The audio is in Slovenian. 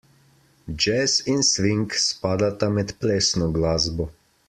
Džez in sving spadata med plesno glasbo.